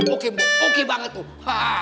oke banget tuh